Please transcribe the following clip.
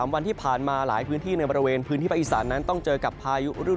วันที่ผ่านมาหลายพื้นที่ในบริเวณพื้นที่ภาคอีสานนั้นต้องเจอกับพายุรุ่น